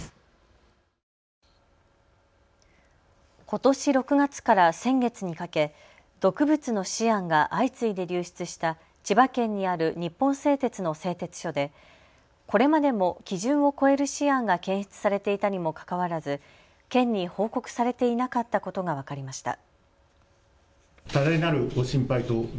ことし６月から先月にかけ毒物のシアンが相次いで流出した千葉県にある日本製鉄の製鉄所でこれまでも基準を超えるシアンが検出されていたにもかかわらず県に報告されていなかったことが分かりました。